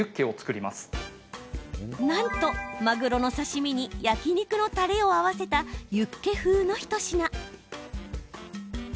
なんと、マグロの刺身に焼き肉のたれを合わせたユッケ風の一品。